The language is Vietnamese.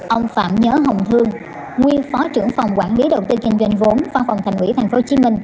ông phạm nhớ hồng thương nguyên phó trưởng phòng quản lý đầu tư kinh doanh vốn văn phòng thành ủy tp hcm